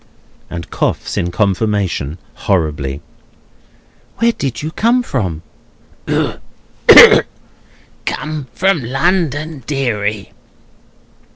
and coughs in confirmation horribly. "Where do you come from?" "Come from London, deary."